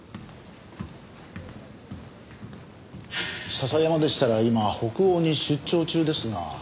笹山でしたら今北欧に出張中ですが。